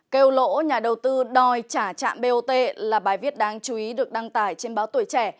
kêu lỗ nhà đầu tư đòi trả trạm bot là bài viết đáng chú ý được đăng tải trên báo tuổi trẻ